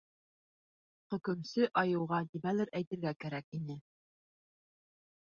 Хөкомсө айыуға нимәлер әйтергә кәрәк ине.